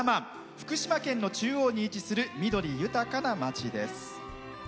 福島県の中央に位置する緑豊かな街です。